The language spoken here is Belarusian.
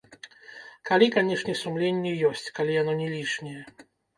Калі, канешне, сумленне ёсць, калі яно не лішняе.